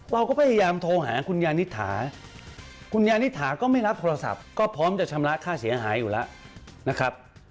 เราก็พยายามโทรหาคุณยานิษฐาคุณยานิถาก็ไม่รับโทรศัพท์ก็พร้อมจะชำระค่าเสียหายอยู่แล้วนะครับ